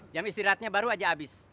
jam istirahatnya baru aja habis